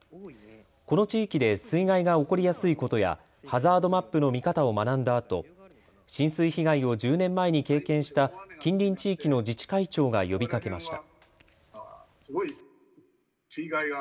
この地域で水害が起こりやすいことやハザードマップの見方を学んだあと浸水被害を１０年前に経験した近隣地域の自治会長が呼びかけました。